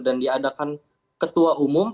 dan diadakan ketua umum